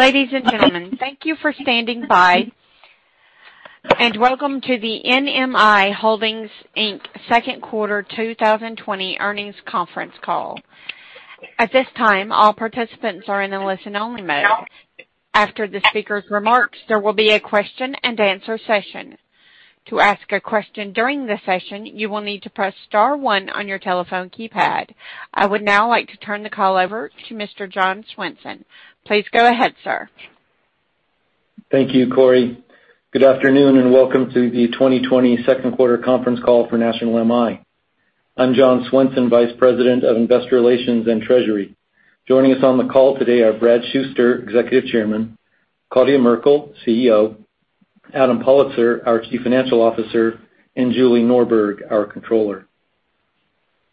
Ladies and gentlemen, thank you for standing by and welcome to the NMI Holdings, Inc. Second Quarter 2020 Earnings Conference Call. At this time, all participants are in a listen-only mode. After the speakers' remarks, there will be a question and answer session. To ask a question during the session, you will need to press star one on your telephone keypad. I would now like to turn the call over to Mr. John Swenson. Please go ahead, sir. Thank you, Corey. Good afternoon, and welcome to the 2020 second quarter conference call for National MI. I'm John Swenson, Vice President of Investor Relations and Treasury. Joining us on the call today are Brad Shuster, Executive Chairman, Claudia Merkle, CEO, Adam Pollitzer, our Chief Financial Officer, and Julie Norberg, our Controller.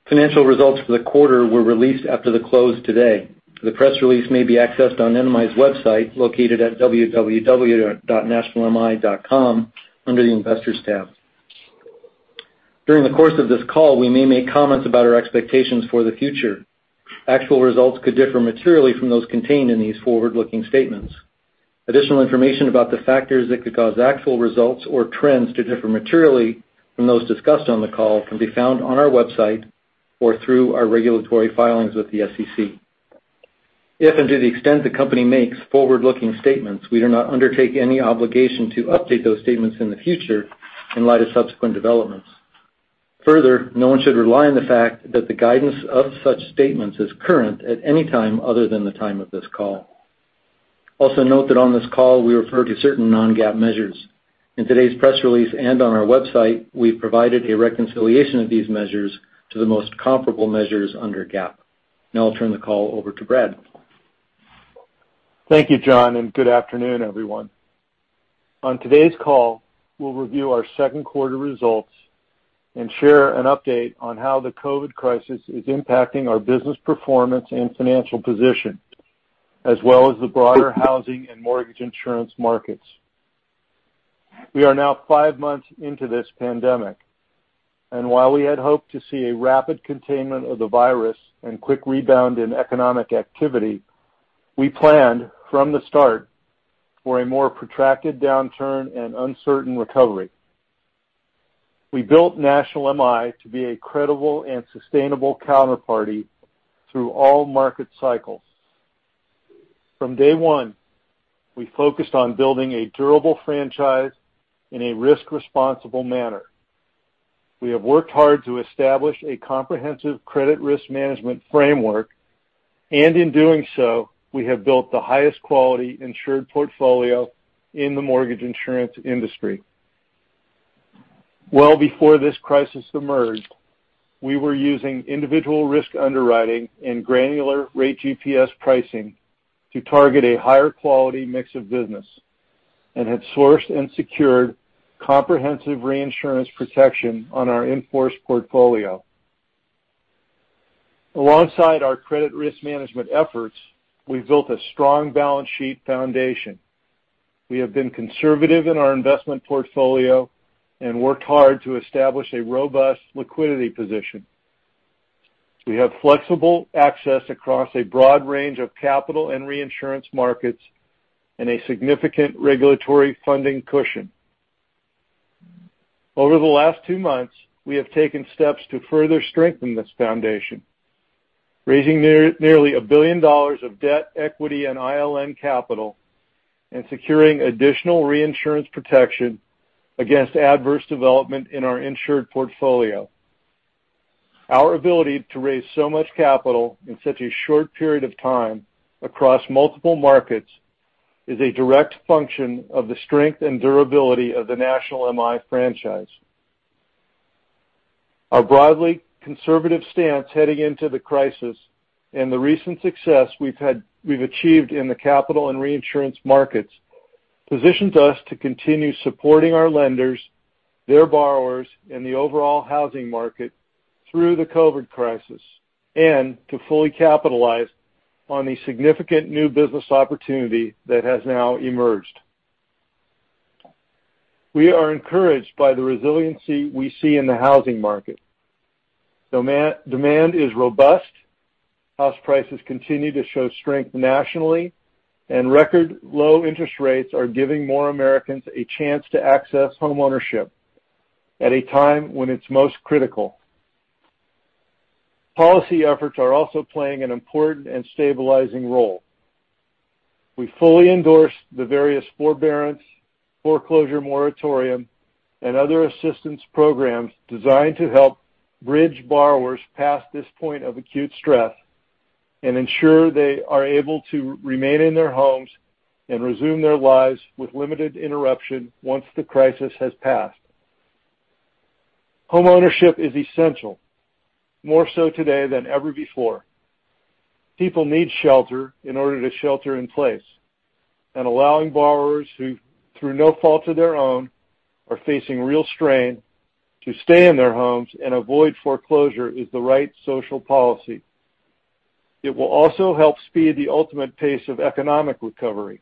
Financial results for the quarter were released after the close today. The press release may be accessed on NMI's website, located at www.nationalmi.com, under the Investors tab. During the course of this call, we may make comments about our expectations for the future. Actual results could differ materially from those contained in these forward-looking statements. Additional information about the factors that could cause actual results or trends to differ materially from those discussed on the call can be found on our website or through our regulatory filings with the SEC. If and to the extent the company makes forward-looking statements, we do not undertake any obligation to update those statements in the future in light of subsequent developments. Further, no one should rely on the fact that the guidance of such statements is current at any time other than the time of this call. Also note that on this call we refer to certain non-GAAP measures. In today's press release and on our website, we've provided a reconciliation of these measures to the most comparable measures under GAAP. Now I'll turn the call over to Brad. Thank you, John, and good afternoon, everyone. On today's call, we'll review our second quarter results and share an update on how the COVID crisis is impacting our business performance and financial position, as well as the broader housing and mortgage insurance markets. We are now five months into this pandemic, and while we had hoped to see a rapid containment of the virus and quick rebound in economic activity, we planned from the start for a more protracted downturn and uncertain recovery. We built National MI to be a credible and sustainable counterparty through all market cycles. From day one, we focused on building a durable franchise in a risk-responsible manner. We have worked hard to establish a comprehensive credit risk management framework, and in doing so, we have built the highest quality insured portfolio in the mortgage insurance industry. Well before this crisis emerged, we were using individual risk underwriting and granular Rate GPS pricing to target a higher quality mix of business and had sourced and secured comprehensive reinsurance protection on our in-force portfolio. Alongside our credit risk management efforts, we've built a strong balance sheet foundation. We have been conservative in our investment portfolio and worked hard to establish a robust liquidity position. We have flexible access across a broad range of capital and reinsurance markets and a significant regulatory funding cushion. Over the last two months, we have taken steps to further strengthen this foundation, raising nearly $1 billion of debt, equity and ILN capital and securing additional reinsurance protection against adverse development in our insured portfolio. Our ability to raise so much capital in such a short period of time across multiple markets is a direct function of the strength and durability of the National MI franchise. Our broadly conservative stance heading into the crisis and the recent success we've achieved in the capital and reinsurance markets positions us to continue supporting our lenders, their borrowers, and the overall housing market through the COVID crisis, and to fully capitalize on the significant new business opportunity that has now emerged. We are encouraged by the resiliency we see in the housing market. Demand is robust. House prices continue to show strength nationally. Record low interest rates are giving more Americans a chance to access homeownership at a time when it's most critical. Policy efforts are also playing an important and stabilizing role. We fully endorse the various forbearance, foreclosure moratorium, and other assistance programs designed to help bridge borrowers past this point of acute stress and ensure they are able to remain in their homes and resume their lives with limited interruption once the crisis has passed. Homeownership is essential, more so today than ever before. People need shelter in order to shelter in place, and allowing borrowers who, through no fault of their own, are facing real strain to stay in their homes and avoid foreclosure is the right social policy. It will also help speed the ultimate pace of economic recovery.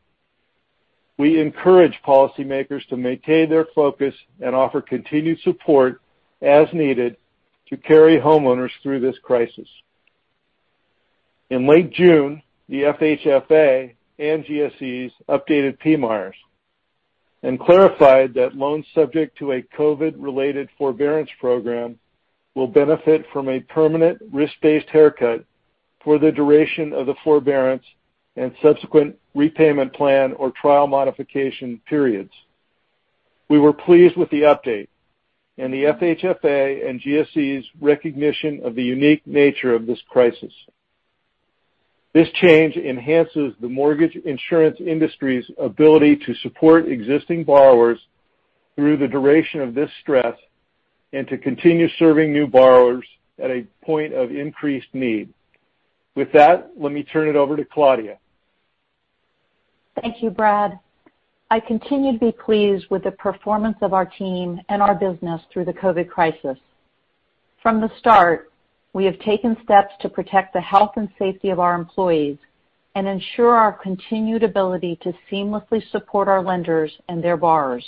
We encourage policymakers to maintain their focus and offer continued support as needed to carry homeowners through this crisis. In late June, the FHFA and GSEs updated PMIERs and clarified that loans subject to a COVID-related forbearance program will benefit from a permanent risk-based haircut for the duration of the forbearance and subsequent repayment plan or trial modification periods. We were pleased with the update and the FHFA and GSEs recognition of the unique nature of this crisis. This change enhances the mortgage insurance industry's ability to support existing borrowers through the duration of this stress and to continue serving new borrowers at a point of increased need. With that, let me turn it over to Claudia. Thank you, Brad. I continue to be pleased with the performance of our team and our business through the COVID crisis. From the start, we have taken steps to protect the health and safety of our employees and ensure our continued ability to seamlessly support our lenders and their borrowers.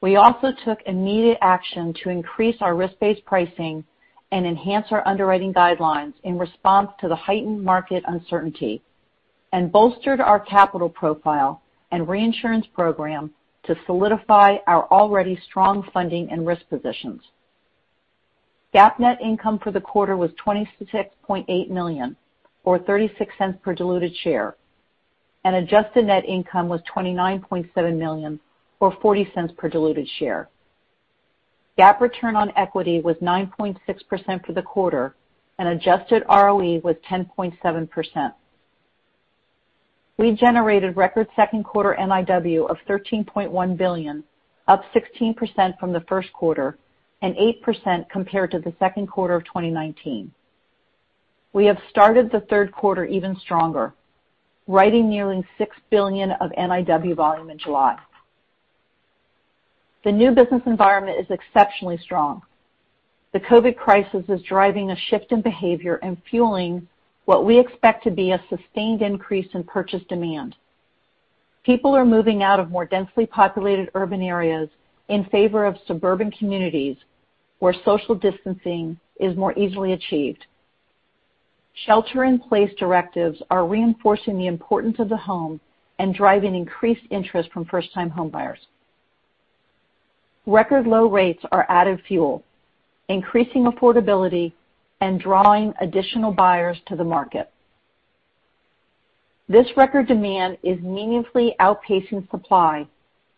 We also took immediate action to increase our risk-based pricing and enhance our underwriting guidelines in response to the heightened market uncertainty, and bolstered our capital profile and reinsurance program to solidify our already strong funding and risk positions. GAAP net income for the quarter was $26.8 million, or $0.36 per diluted share, and adjusted net income was $29.7 million, or $0.40 per diluted share. GAAP return on equity was 9.6% for the quarter, and adjusted ROE was 10.7%. We generated record second quarter NIW of $13.1 billion, up 16% from the first quarter and 8% compared to the second quarter of 2019. We have started the third quarter even stronger, writing nearing $6 billion of NIW volume in July. The new business environment is exceptionally strong. The COVID crisis is driving a shift in behavior and fueling what we expect to be a sustained increase in purchase demand. People are moving out of more densely populated urban areas in favor of suburban communities where social distancing is more easily achieved. Shelter-in-place directives are reinforcing the importance of the home and driving increased interest from first-time homebuyers. Record low rates are added fuel, increasing affordability and drawing additional buyers to the market. This record demand is meaningfully outpacing supply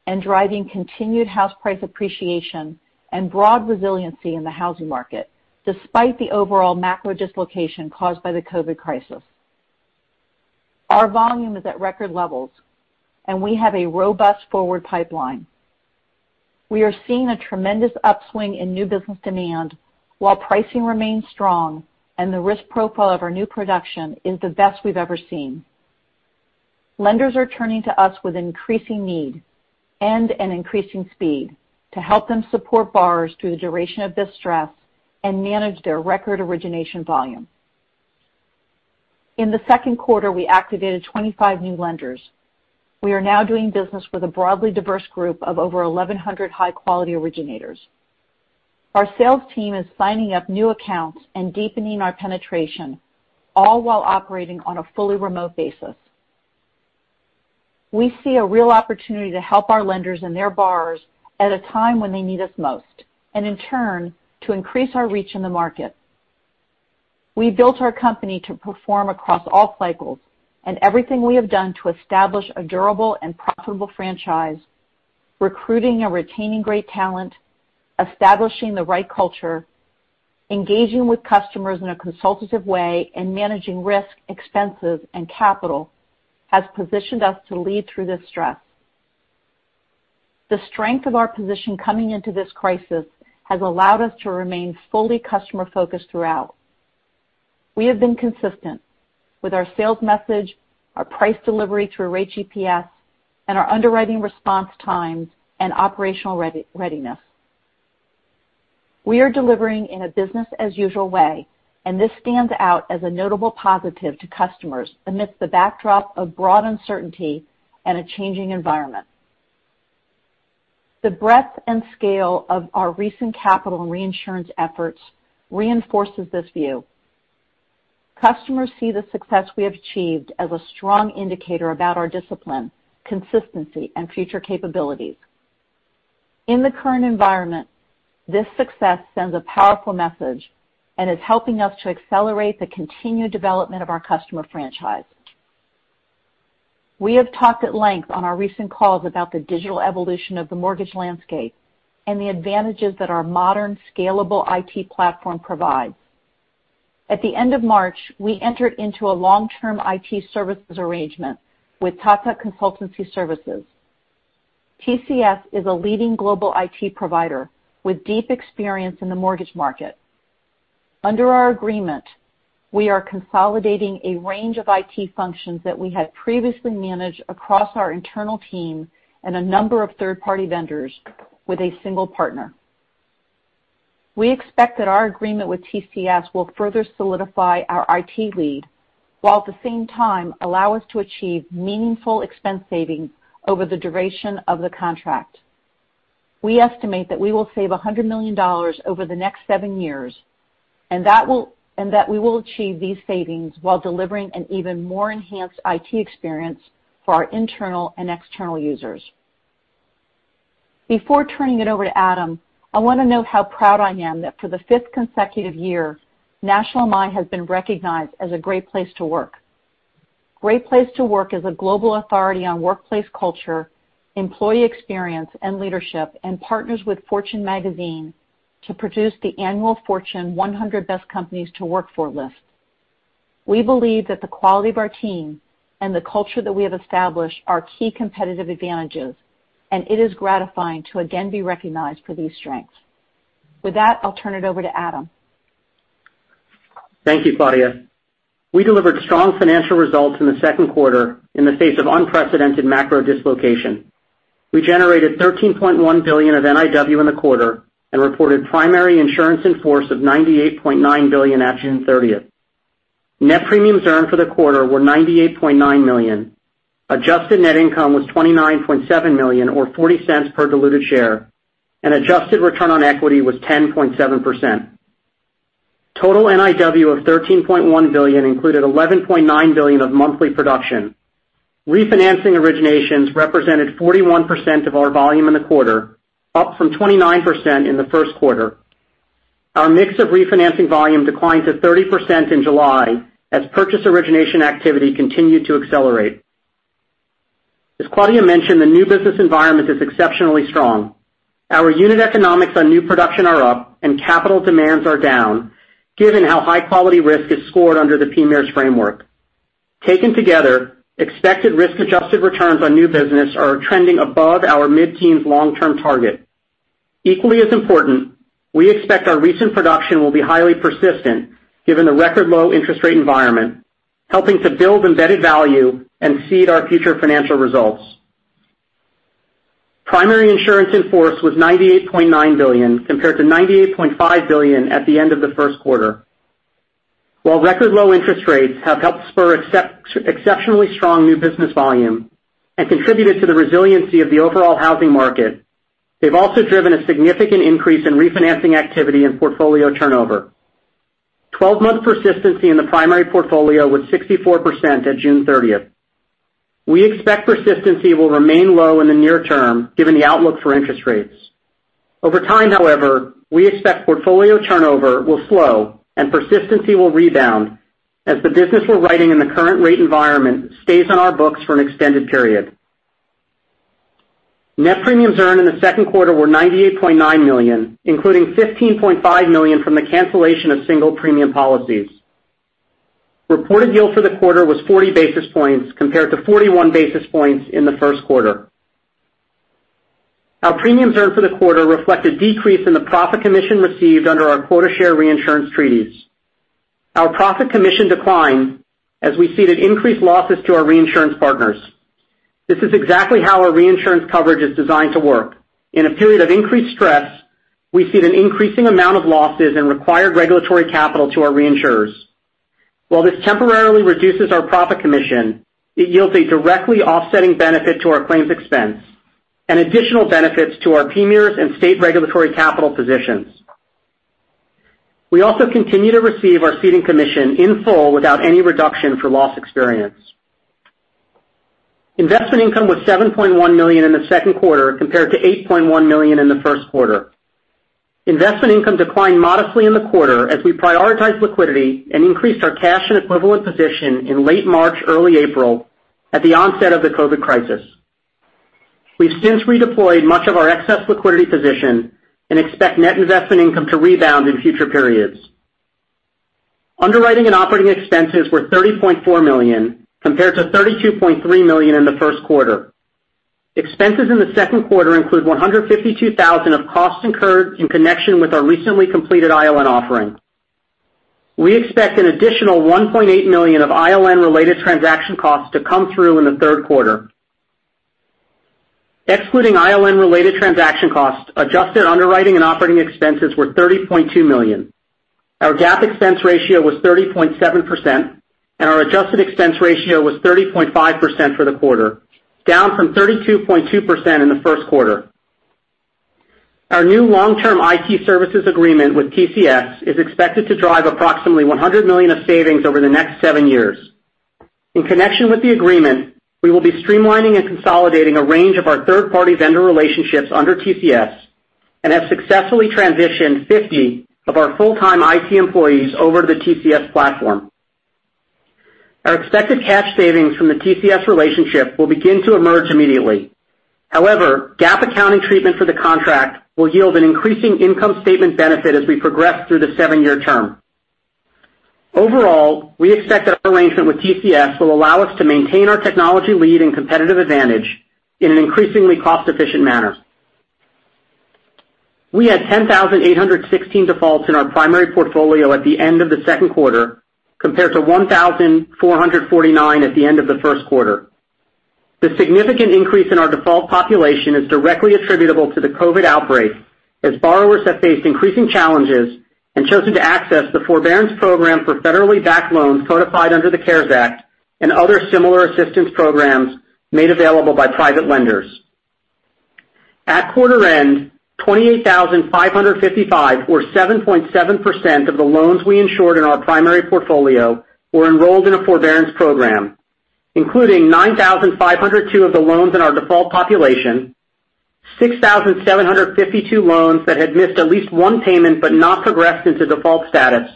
and driving continued house price appreciation and broad resiliency in the housing market, despite the overall macro dislocation caused by the COVID-19 crisis. Our volume is at record levels and we have a robust forward pipeline. We are seeing a tremendous upswing in new business demand while pricing remains strong and the risk profile of our new production is the best we've ever seen. Lenders are turning to us with increasing need and an increasing speed to help them support borrowers through the duration of this stress and manage their record origination volume. In the second quarter, we activated 25 new lenders. We are now doing business with a broadly diverse group of over 1,100 high-quality originators. Our sales team is signing up new accounts and deepening our penetration, all while operating on a fully remote basis. We see a real opportunity to help our lenders and their borrowers at a time when they need us most, and in turn, to increase our reach in the market. We built our company to perform across all cycles and everything we have done to establish a durable and profitable franchise, recruiting and retaining great talent, establishing the right culture, engaging with customers in a consultative way, and managing risk, expenses, and capital, has positioned us to lead through this stress. The strength of our position coming into this crisis has allowed us to remain fully customer-focused throughout. We have been consistent with our sales message, our price delivery through Rate GPS, and our underwriting response times and operational readiness. We are delivering in a business-as-usual way, and this stands out as a notable positive to customers amidst the backdrop of broad uncertainty and a changing environment. The breadth and scale of our recent capital and reinsurance efforts reinforces this view. Customers see the success we have achieved as a strong indicator about our discipline, consistency, and future capabilities. In the current environment, this success sends a powerful message and is helping us to accelerate the continued development of our customer franchise. We have talked at length on our recent calls about the digital evolution of the mortgage landscape and the advantages that our modern, scalable IT platform provides. At the end of March, we entered into a long-term IT services arrangement with Tata Consultancy Services. TCS is a leading global IT provider with deep experience in the mortgage market. Under our agreement, we are consolidating a range of IT functions that we had previously managed across our internal team and a number of third-party vendors with a single partner. We expect that our agreement with TCS will further solidify our IT lead, while at the same time allow us to achieve meaningful expense savings over the duration of the contract. We estimate that we will save $100 million over the next seven years, and that we will achieve these savings while delivering an even more enhanced IT experience for our internal and external users. Before turning it over to Adam, I want to note how proud I am that for the fifth consecutive year, National MI has been recognized as a Great Place to Work. Great Place to Work is a global authority on workplace culture, employee experience, and leadership, and partners with Fortune magazine to produce the annual Fortune 100 Best Companies to Work For list. We believe that the quality of our team and the culture that we have established are key competitive advantages, and it is gratifying to again be recognized for these strengths. With that, I'll turn it over to Adam. Thank you, Claudia. We delivered strong financial results in the second quarter in the face of unprecedented macro dislocation. We generated $13.1 billion of NIW in the quarter and reported primary insurance in force of $98.9 billion at June 30th. Net premiums earned for the quarter were $98.9 million. Adjusted net income was $29.7 million or $0.40 per diluted share, and adjusted return on equity was 10.7%. Total NIW of $13.1 billion included $11.9 billion of monthly production. Refinancing originations represented 41% of our volume in the quarter, up from 29% in the first quarter. Our mix of refinancing volume declined to 30% in July as purchase origination activity continued to accelerate. As Claudia mentioned, the new business environment is exceptionally strong. Our unit economics on new production are up and capital demands are down, given how high-quality risk is scored under the PMIERs framework. Taken together, expected risk-adjusted returns on new business are trending above our mid-teens long-term target. Equally as important, we expect our recent production will be highly persistent given the record low interest rate environment, helping to build embedded value and seed our future financial results. Primary insurance in force was $98.9 billion, compared to $98.5 billion at the end of the first quarter. While record low interest rates have helped spur exceptionally strong new business volume and contributed to the resiliency of the overall housing market, they've also driven a significant increase in refinancing activity and portfolio turnover. 12-month persistency in the primary portfolio was 64% at June 30th. We expect persistency will remain low in the near term, given the outlook for interest rates. Over time, however, we expect portfolio turnover will slow and persistency will rebound as the business we're writing in the current rate environment stays on our books for an extended period. Net premiums earned in the second quarter were $98.9 million, including $15.5 million from the cancellation of single premium policies. Reported yield for the quarter was 40 basis points, compared to 41 basis points in the first quarter. Our premiums earned for the quarter reflect a decrease in the profit commission received under our quota share reinsurance treaties. Our profit commission declined as we ceded increased losses to our reinsurance partners. This is exactly how our reinsurance coverage is designed to work. In a period of increased stress, we cede an increasing amount of losses and required regulatory capital to our reinsurers. While this temporarily reduces our profit commission, it yields a directly offsetting benefit to our claims expense and additional benefits to our PMIERs and state regulatory capital positions. We also continue to receive our ceding commission in full without any reduction for loss experience. Investment income was $7.1 million in the second quarter, compared to $8.1 million in the first quarter. Investment income declined modestly in the quarter as we prioritized liquidity and increased our cash and equivalent position in late March, early April at the onset of the COVID crisis. We've since redeployed much of our excess liquidity position and expect net investment income to rebound in future periods. Underwriting and operating expenses were $30.4 million, compared to $32.3 million in the first quarter. Expenses in the second quarter include 152,000 of costs incurred in connection with our recently completed ILN offering. We expect an additional $1.8 million of ILN-related transaction costs to come through in the third quarter. Excluding ILN-related transaction costs, adjusted underwriting and operating expenses were $30.2 million. Our GAAP expense ratio was 30.7%, and our adjusted expense ratio was 30.5% for the quarter, down from 32.2% in the first quarter. Our new long-term IT services agreement with TCS is expected to drive approximately $100 million of savings over the next seven years. In connection with the agreement, we will be streamlining and consolidating a range of our third-party vendor relationships under TCS and have successfully transitioned 50 of our full-time IT employees over to the TCS platform. Our expected cash savings from the TCS relationship will begin to emerge immediately. However, GAAP accounting treatment for the contract will yield an increasing income statement benefit as we progress through the seven-year term. Overall, we expect that our arrangement with TCS will allow us to maintain our technology lead and competitive advantage in an increasingly cost-efficient manner. We had 10,816 defaults in our primary portfolio at the end of the second quarter, compared to 1,449 at the end of the first quarter. The significant increase in our default population is directly attributable to the COVID outbreak, as borrowers have faced increasing challenges and chosen to access the forbearance program for federally backed loans codified under the CARES Act and other similar assistance programs made available by private lenders. At quarter end, 28,555 or 7.7% of the loans we insured in our primary portfolio were enrolled in a forbearance program, including 9,502 of the loans in our default population, 6,752 loans that had missed at least one payment but not progressed into default status,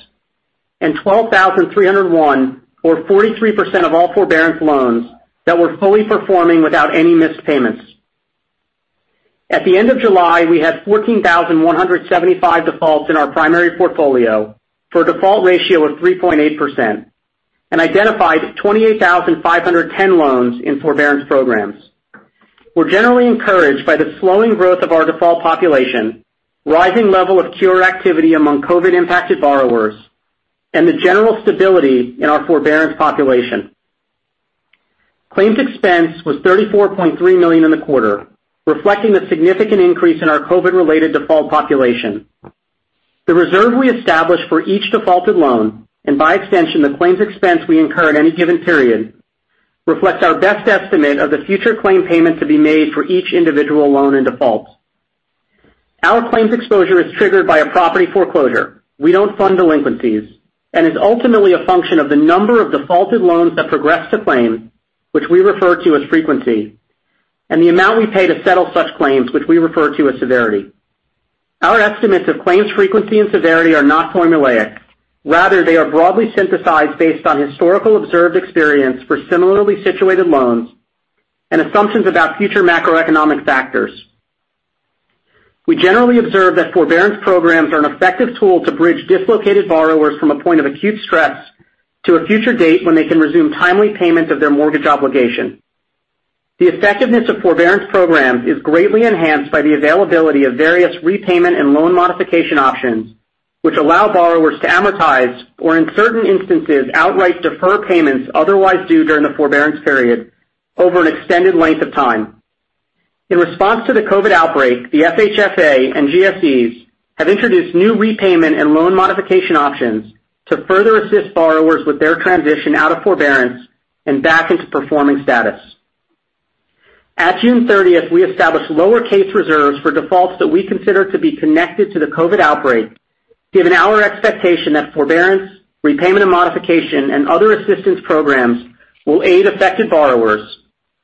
and 12,301 or 43% of all forbearance loans that were fully performing without any missed payments. At the end of July, we had 14,175 defaults in our primary portfolio for a default ratio of 3.8% and identified 28,510 loans in forbearance programs. We're generally encouraged by the slowing growth of our default population, rising level of cure activity among COVID impacted borrowers, and the general stability in our forbearance population. claims expense was $34.3 million in the quarter, reflecting the significant increase in our COVID related default population. The reserve we established for each defaulted loan, and by extension, the claims expense we incur at any given period, reflects our best estimate of the future claim payment to be made for each individual loan in default. Our claims exposure is triggered by a property foreclosure. We don't fund delinquencies and is ultimately a function of the number of defaulted loans that progress to claim, which we refer to as frequency, and the amount we pay to settle such claims, which we refer to as severity. Our estimates of claims frequency and severity are not formulaic. Rather, they are broadly synthesized based on historical observed experience for similarly situated loans and assumptions about future macroeconomic factors. We generally observe that forbearance programs are an effective tool to bridge dislocated borrowers from a point of acute stress to a future date when they can resume timely payment of their mortgage obligation. The effectiveness of forbearance programs is greatly enhanced by the availability of various repayment and loan modification options, which allow borrowers to amortize, or in certain instances, outright defer payments otherwise due during the forbearance period over an extended length of time. In response to the COVID outbreak, the FHFA and GSEs have introduced new repayment and loan modification options to further assist borrowers with their transition out of forbearance and back into performing status. At June 30th, we established case reserves for defaults that we consider to be connected to the COVID outbreak. Given our expectation that forbearance, repayment, and modification and other assistance programs will aid affected borrowers,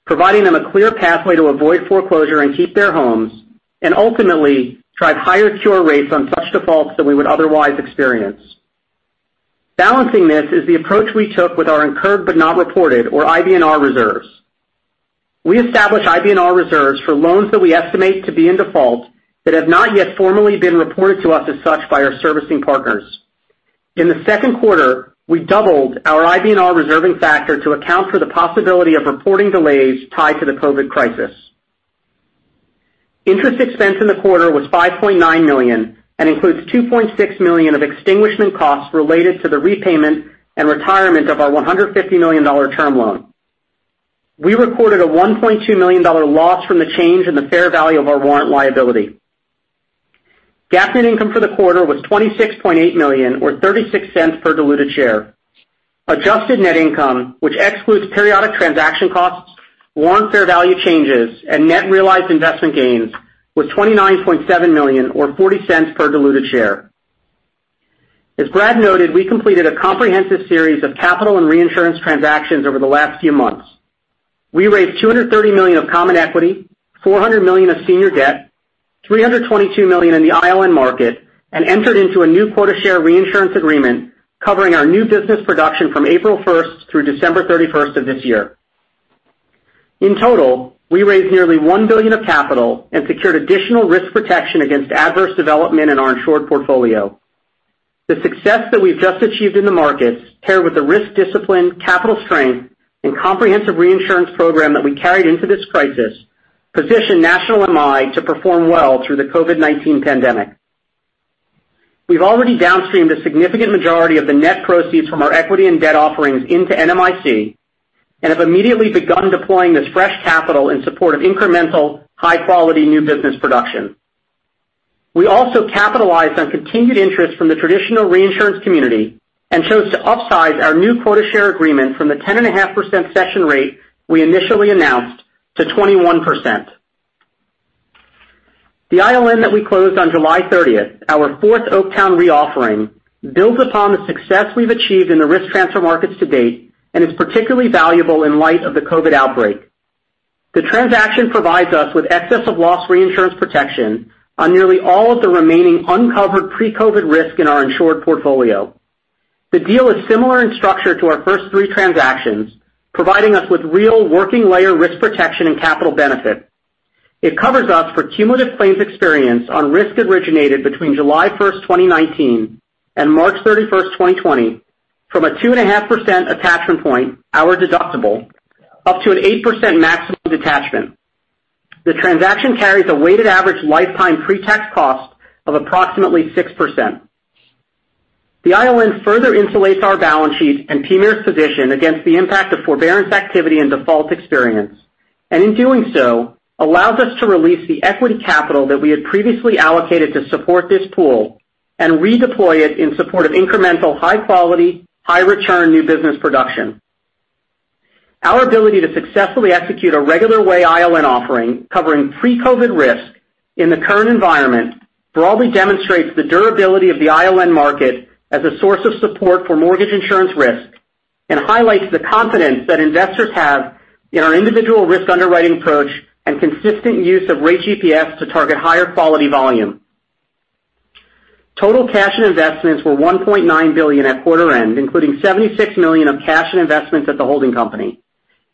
providing them a clear pathway to avoid foreclosure and keep their homes, and ultimately drive higher cure rates on such defaults than we would otherwise experience. Balancing this is the approach we took with our incurred but not reported or IBNR reserves. We established IBNR reserves for loans that we estimate to be in default that have not yet formally been reported to us as such by our servicing partners. In the second quarter, we doubled our IBNR reserving factor to account for the possibility of reporting delays tied to the COVID crisis. Interest expense in the quarter was $5.9 million and includes $2.6 million of extinguishment costs related to the repayment and retirement of our $150 million term loan. We recorded a $1.2 million loss from the change in the fair value of our warrant liability. GAAP net income for the quarter was $26.8 million, or $0.36 per diluted share. Adjusted net income, which excludes periodic transaction costs, warrant fair value changes, and net realized investment gains was $29.7 million, or $0.40 per diluted share. As Brad noted, we completed a comprehensive series of capital and reinsurance transactions over the last few months. We raised $230 million of common equity, $400 million of senior debt, $322 million in the ILN market, and entered into a new quota share reinsurance agreement covering our new business production from April 1st through December 31st of this year. In total, we raised nearly $1 billion of capital and secured additional risk protection against adverse development in our insured portfolio. The success that we've just achieved in the markets, paired with the risk discipline, capital strength, and comprehensive reinsurance program that we carried into this crisis, position National MI to perform well through the COVID-19 pandemic. We've already downstreamed a significant majority of the net proceeds from our equity and debt offerings into NMIC and have immediately begun deploying this fresh capital in support of incremental, high-quality new business production. We also capitalized on continued interest from the traditional reinsurance community and chose to upsize our new quota share agreement from the 10.5% session rate we initially announced to 21%. The ILN that we closed on July 30th, our fourth Oaktown Re offering, builds upon the success we've achieved in the risk transfer markets to date and is particularly valuable in light of the COVID outbreak. The transaction provides us with excess of loss reinsurance protection on nearly all of the remaining uncovered pre-COVID risk in our insured portfolio. The deal is similar in structure to our first three transactions, providing us with real working layer risk protection and capital benefit. It covers us for cumulative claims experience on risk originated between July 1st, 2019 and March 31st, 2020 from a 2.5% attachment point, our deductible, up to an 8% maximum detachment. The transaction carries a weighted average lifetime pre-tax cost of approximately 6%. The ILN further insulates our balance sheet and PMIERs position against the impact of forbearance activity and default experience. In doing so, allows us to release the equity capital that we had previously allocated to support this pool and redeploy it in support of incremental high quality, high return new business production. Our ability to successfully execute a regular way ILN offering covering pre-COVID risk in the current environment broadly demonstrates the durability of the ILN market as a source of support for mortgage insurance risk, and highlights the confidence that investors have in our individual risk underwriting approach and consistent use of Rate GPS to target higher quality volume. Total cash and investments were $1.9 billion at quarter end, including $76 million of cash and investments at the holding company.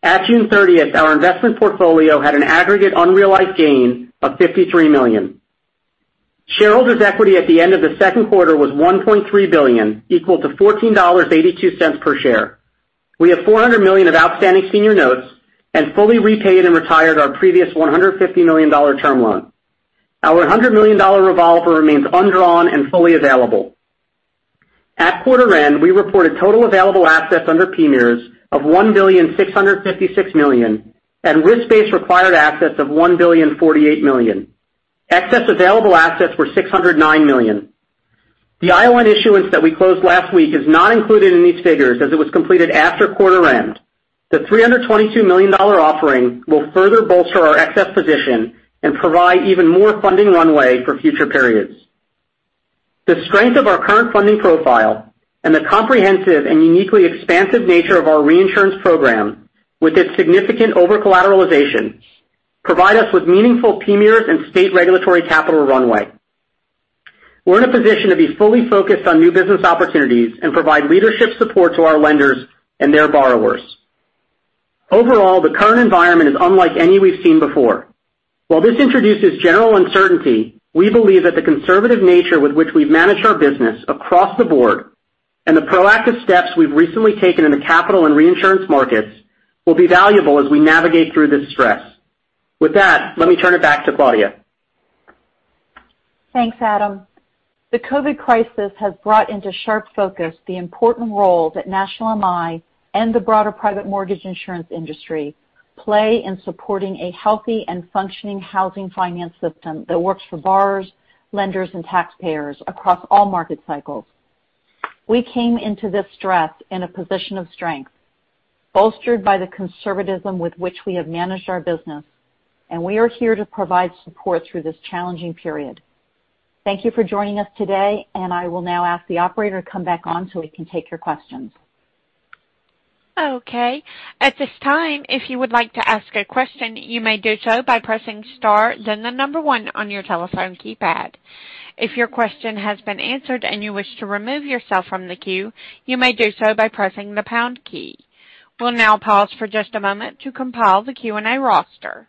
At June 30th, our investment portfolio had an aggregate unrealized gain of $53 million. Shareholders' equity at the end of the second quarter was $1.3 billion, equal to $14.82 per share. We have $400 million of outstanding senior notes and fully repaid and retired our previous $150 million term loan. Our $100 million revolver remains undrawn and fully available. At quarter end, we reported total available assets under PMIERs of $1,656 million and risk-based required assets of $1,048 million. Excess available assets were $609 million. The ILN issuance that we closed last week is not included in these figures as it was completed after quarter end. The $322 million offering will further bolster our excess position and provide even more funding runway for future periods. The strength of our current funding profile and the comprehensive and uniquely expansive nature of our reinsurance program, with its significant over-collateralization, provide us with meaningful PMIERs and state regulatory capital runway. We're in a position to be fully focused on new business opportunities and provide leadership support to our lenders and their borrowers. Overall, the current environment is unlike any we've seen before. While this introduces general uncertainty, we believe that the conservative nature with which we've managed our business across the board and the proactive steps we've recently taken in the capital and reinsurance markets will be valuable as we navigate through this stress. With that, let me turn it back to Claudia. Thanks, Adam. The COVID crisis has brought into sharp focus the important role that National MI and the broader private mortgage insurance industry play in supporting a healthy and functioning housing finance system that works for borrowers, lenders, and taxpayers across all market cycles. We came into this stress in a position of strength, bolstered by the conservatism with which we have managed our business, and we are here to provide support through this challenging period. Thank you for joining us today, and I will now ask the operator to come back on so we can take your questions. Okay, at this time, if you would like to ask a question, you may do so by pressing star, then the number one on your telephone keypad. If your question has been answered and you wish to remove yourself from the queue, you may do so by pressing the pound key. We'll now pause for just a moment to compile the Q&A roster.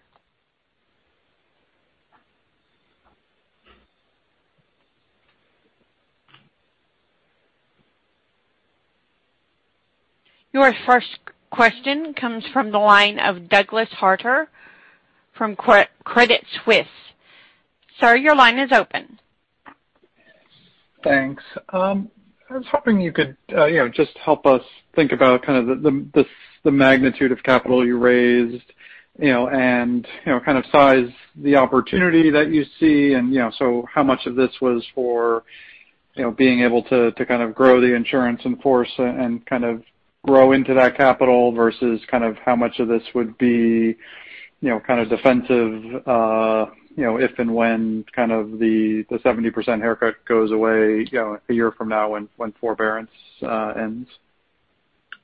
Your first question comes from the line of Douglas Harter from Credit Suisse. Sir, your line is open. Thanks. I was hoping you could just help us think about kind of the magnitude of capital you raised and kind of size the opportunity that you see and so how much of this was for being able to kind of grow the insurance in force and kind of grow into that capital versus kind of how much of this would be kind of defensive if and when kind of the 70% haircut goes away a year from now when forbearance ends?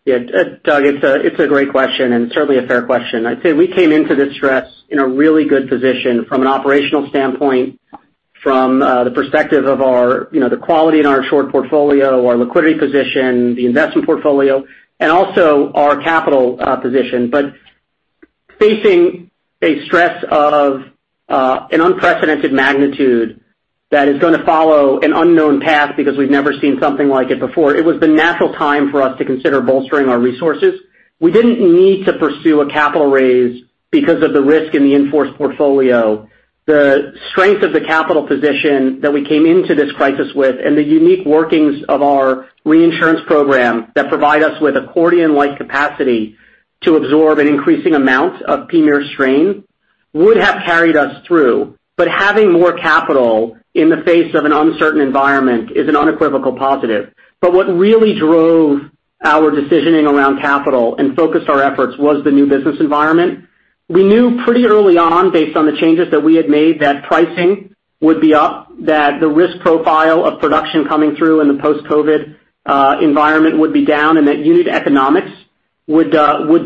Yeah, Doug, it's a great question, and certainly a fair question. I'd say we came into this stress in a really good position from an operational standpoint, from the perspective of the quality in our insured portfolio, our liquidity position, the investment portfolio, and also our capital position. Facing a stress of an unprecedented magnitude that is gonna follow an unknown path because we've never seen something like it before, it was the natural time for us to consider bolstering our resources. We didn't need to pursue a capital raise because of the risk in the in-force portfolio. The strength of the capital position that we came into this crisis with and the unique workings of our reinsurance program that provide us with accordion-like capacity to absorb an increasing amount of PMIER strain would have carried us through. Having more capital in the face of an uncertain environment is an unequivocal positive. What really drove our decisioning around capital and focused our efforts was the new business environment. We knew pretty early on, based on the changes that we had made, that pricing would be up, that the risk profile of production coming through in the post-COVID environment would be down, and that unit economics would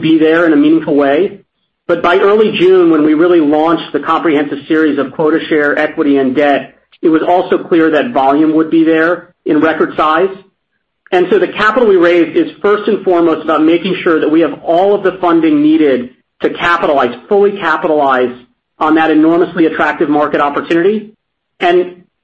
be there in a meaningful way. By early June, when we really launched the comprehensive series of quota share equity and debt, it was also clear that volume would be there in record size. The capital we raised is first and foremost about making sure that we have all of the funding needed to fully capitalize on that enormously attractive market opportunity.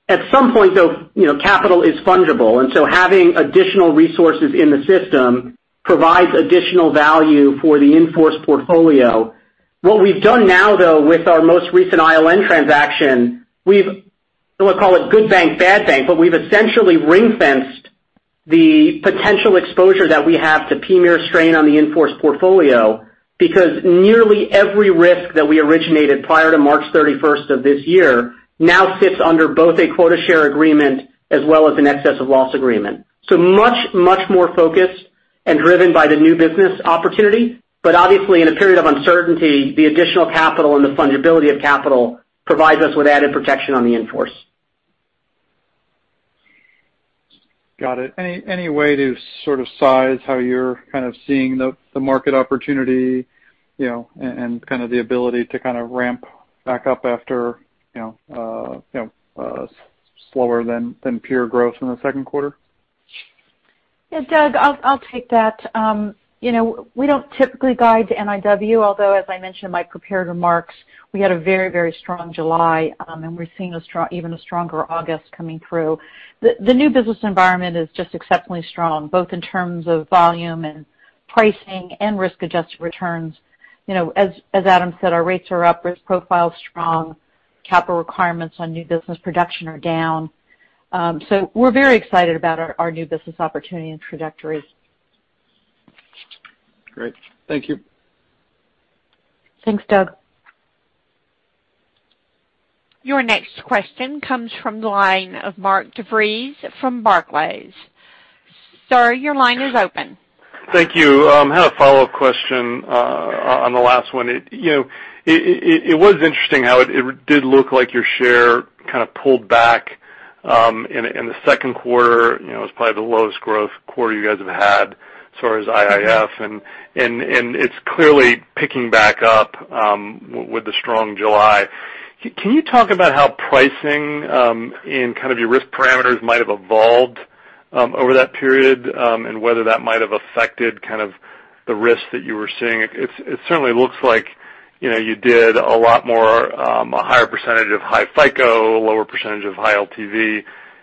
At some point, though, capital is fungible, so having additional resources in the system provides additional value for the in-force portfolio. What we've done now, though, with our most recent ILN transaction, we've I'll call it good bank, bad bank, but we've essentially ring-fenced the potential exposure that we have to PMIERs strain on the in-force portfolio because nearly every risk that we originated prior to March 31st of this year now sits under both a quota share agreement as well as an excess of loss agreement. Much more focused and driven by the new business opportunity. Obviously in a period of uncertainty, the additional capital and the fungibility of capital provides us with added protection on the in-force. Got it. Any way to sort of size how you're kind of seeing the market opportunity, and kind of the ability to kind of ramp back up after slower than peer growth in the second quarter? Yeah, Doug, I'll take that. We don't typically guide to NIW, although, as I mentioned in my prepared remarks, we had a very strong July, and we're seeing even a stronger August coming through. The new business environment is just exceptionally strong, both in terms of volume and pricing, and risk-adjusted returns. As Adam said, our rates are up, risk profile's strong, capital requirements on new business production are down. We're very excited about our new business opportunity and trajectories. Great. Thank you. Thanks, Doug. Your next question comes from the line of Mark DeVries from Barclays. Sir, your line is open. Thank you. I have a follow-up question on the last one. It was interesting how it did look like your share kind of pulled back in the second quarter. It was probably the lowest growth quarter you guys have had as far as IIF, and it's clearly picking back up with the strong July. Can you talk about how pricing in kind of your risk parameters might have evolved over that period, and whether that might have affected kind of the risk that you were seeing? It certainly looks like you did a lot more, a higher percentage of high FICO, a lower percentage of high LTV.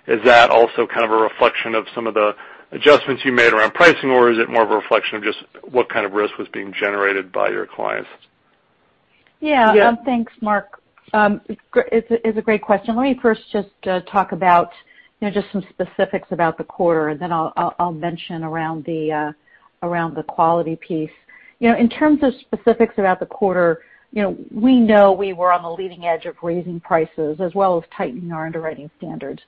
Is that also kind of a reflection of some of the adjustments you made around pricing, or is it more of a reflection of just what kind of risk was being generated by your clients? Yeah. Thanks, Mark. It's a great question. Let me first just talk about just some specifics about the quarter, and then I'll mention around the quality piece. In terms of specifics about the quarter, we know we were on the leading edge of raising prices as well as tightening our underwriting standards.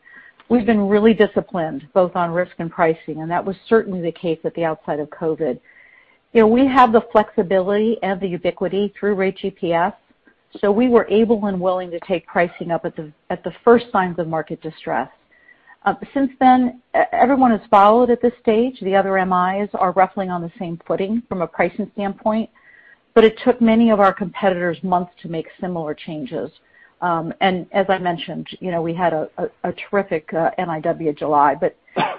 We've been really disciplined both on risk and pricing, and that was certainly the case at the outside of COVID. We have the flexibility and the ubiquity through Rate GPS. We were able and willing to take pricing up at the first signs of market distress. Since then, everyone has followed at this stage. The other MIs are roughly on the same footing from a pricing standpoint. It took many of our competitors months to make similar changes. As I mentioned, we had a terrific NIW July.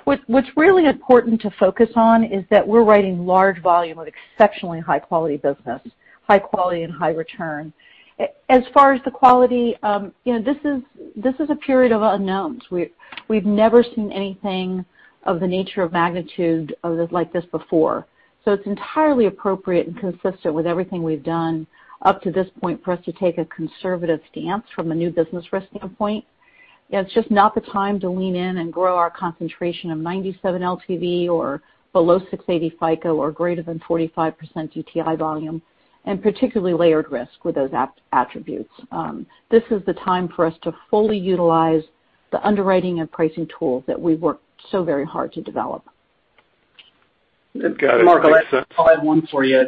What's really important to focus on is that we're writing large volume of exceptionally high-quality business, high quality and high return. As far as the quality, this is a period of unknowns. We've never seen anything of the nature of magnitude like this before. It's entirely appropriate and consistent with everything we've done up to this point for us to take a conservative stance from a new business risk standpoint. It's just not the time to lean in and grow our concentration of 97 LTV or below 680 FICO or greater than 45% DTI volume, and particularly layered risk with those attributes. This is the time for us to fully utilize the underwriting and pricing tools that we worked so very hard to develop. Got it. Makes sense. Mark, I have one for you.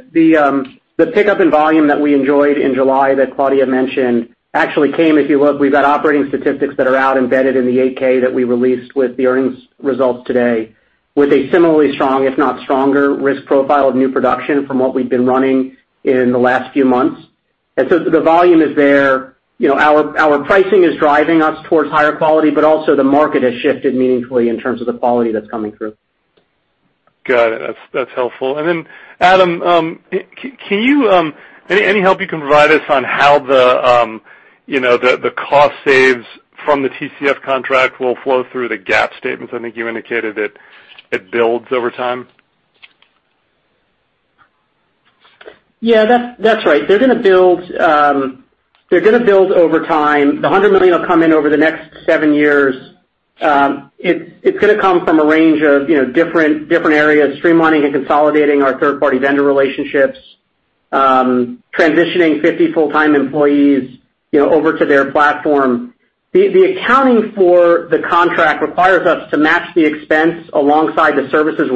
The pickup in volume that we enjoyed in July that Claudia mentioned actually came, if you look, we've got operating statistics that are out embedded in the 8-K that we released with the earnings results today with a similarly strong, if not stronger, risk profile of new production from what we've been running in the last few months. The volume is there. Our pricing is driving us towards higher quality, but also the market has shifted meaningfully in terms of the quality that's coming through. Got it. That's helpful. Adam, any help you can provide us on how the cost saves from the TCS contract will flow through the GAAP statements? I think you indicated it builds over time. Yeah, that's right. They're going to build over time. The $100 million will come in over the next seven years. It's going to come from a range of different areas, streamlining and consolidating our third-party vendor relationships, transitioning 50 full-time employees over to their platform. The accounting for the contract requires us to match the expense alongside the services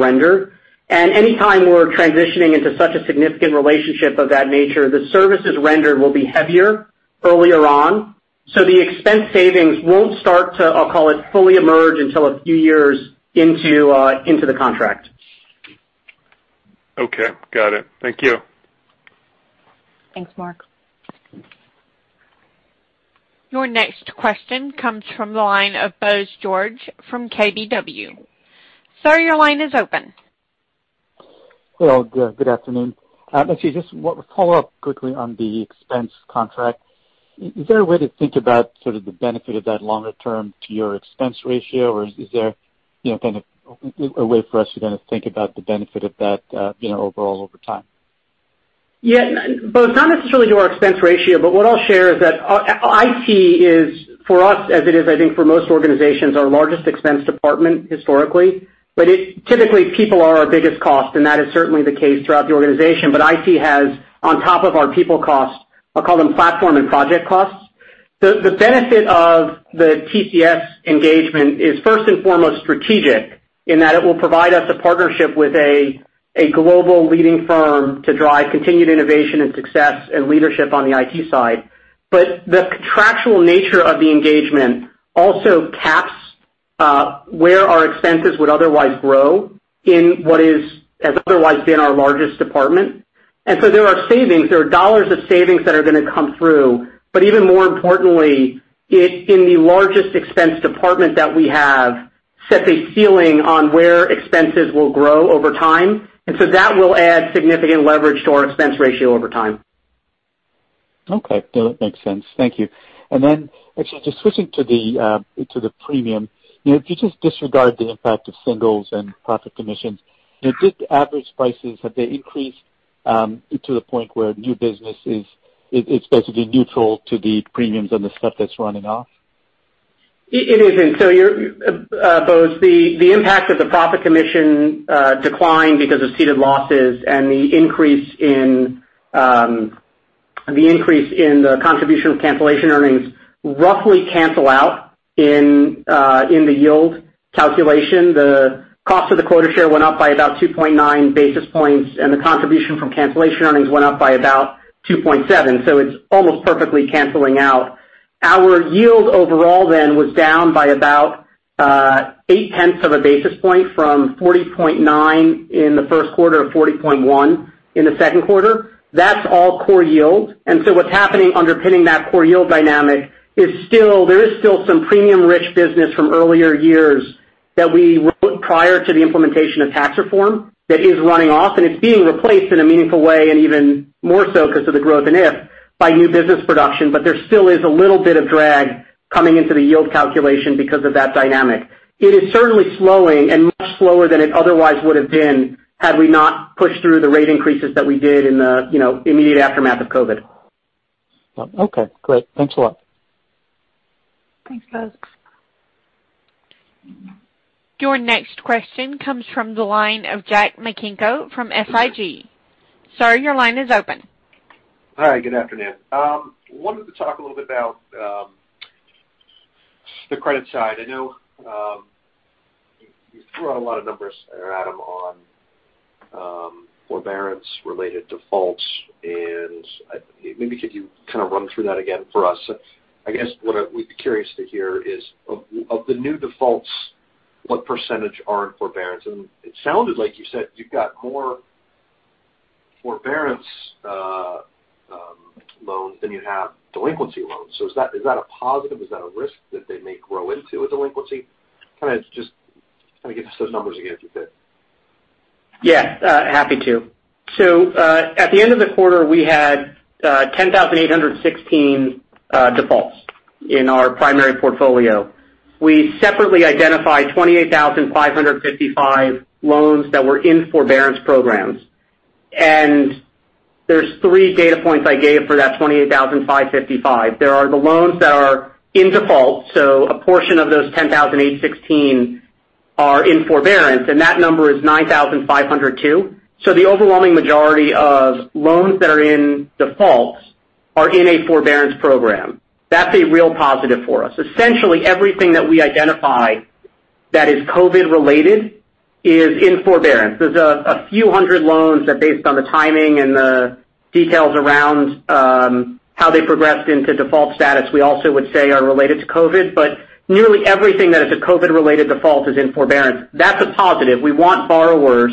rendered. Anytime we're transitioning into such a significant relationship of that nature, the services rendered will be heavier earlier on. The expense savings won't start to, I'll call it, fully emerge until a few years into the contract. Okay. Got it. Thank you. Thanks, Mark. Your next question comes from the line of Bose George from KBW. Sir, your line is open. Hello. Good afternoon. Actually, just want to follow up quickly on the expense contract. Is there a way to think about the benefit of that longer term to your expense ratio? Is there a way for us to then think about the benefit of that overall over time? Yeah, Bose, not necessarily to our expense ratio, but what I'll share is that IT is for us, as it is, I think for most organizations, our largest expense department historically. Typically, people are our biggest cost, and that is certainly the case throughout the organization. IT has, on top of our people cost, I'll call them platform and project costs. The benefit of the TCS engagement is first and foremost strategic in that it will provide us a partnership with a global leading firm to drive continued innovation and success and leadership on the IT side. The contractual nature of the engagement also caps where our expenses would otherwise grow in what has otherwise been our largest department. There are savings, there are dollars of savings that are going to come through. Even more importantly, it, in the largest expense department that we have, sets a ceiling on where expenses will grow over time. That will add significant leverage to our expense ratio over time. Okay. No, it makes sense. Thank you. Actually, just switching to the premium, if you just disregard the impact of singles and profit commissions. Did average prices, have they increased to the point where new business is basically neutral to the premiums and the stuff that's running off? It isn't. Bose, the impact of the profit commission decline because of ceded losses and the increase in the contribution of cancellation earnings roughly cancel out in the yield calculation. The cost of the quota share went up by about 2.9 basis points, and the contribution from cancellation earnings went up by about 2.7. It's almost perfectly canceling out. Our yield overall then was down by about 0.8 of a basis point from 40.9 in the first quarter to 40.1 in the second quarter. That's all core yield. What's happening underpinning that core yield dynamic, there is still some premium-rich business from earlier years that we wrote prior to the implementation of tax reform that is running off, and it's being replaced in a meaningful way, and even more so because of the growth in IF by new business production. There still is a little bit of drag coming into the yield calculation because of that dynamic. It is certainly slowing and much slower than it otherwise would have been had we not pushed through the rate increases that we did in the immediate aftermath of COVID. Okay, great. Thanks a lot. Thanks, Bose. Your next question comes from the line of Jack Micenko from SIG. Sir, your line is open. Hi, good afternoon. Wanted to talk a little bit about the credit side. I know you threw out a lot of numbers there, Adam, on forbearance-related defaults, maybe could you kind of run through that again for us? I guess what we'd be curious to hear is, of the new defaults, what percentage are in forbearance? It sounded like you said you've got more forbearance loans than you have delinquency loans. Is that a positive? Is that a risk that they may grow into a delinquency? Kind of just give us those numbers again, if you could. Yeah, happy to. At the end of the quarter, we had 10,816 defaults in our primary portfolio. We separately identified 28,555 loans that were in forbearance programs. There's three data points I gave for that 28,555. There are the loans that are in default, so a portion of those 10,816 are in forbearance, and that number is 9,502. The overwhelming majority of loans that are in default are in a forbearance program. That's a real positive for us. Essentially, everything that we identify that is COVID-related is in forbearance. There's a few hundred loans that based on the timing and the details around how they progressed into default status, we also would say are related to COVID, but nearly everything that is a COVID-related default is in forbearance. That's a positive. We want borrowers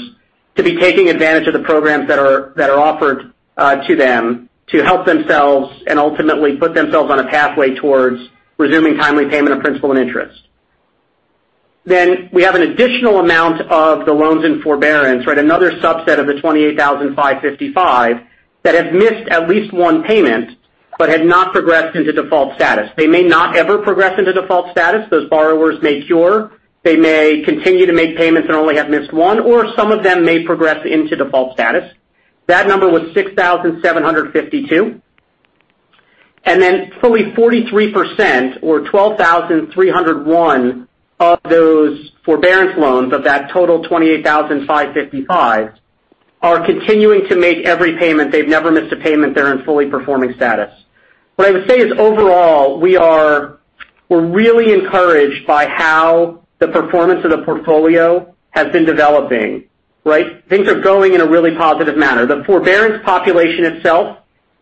to be taking advantage of the programs that are offered to them to help themselves and ultimately put themselves on a pathway towards resuming timely payment of principal and interest. We have an additional amount of the loans in forbearance, right? Another subset of the 28,555 that have missed at least one payment but have not progressed into default status. They may not ever progress into default status. Those borrowers may cure. They may continue to make payments and only have missed one, or some of them may progress into default status. That number was 6,752. Fully 43% or 12,301 of those forbearance loans of that total 28,555 are continuing to make every payment. They've never missed a payment. They're in fully performing status. What I would say is overall, we're really encouraged by how the performance of the portfolio has been developing, right? Things are going in a really positive manner. The forbearance population itself,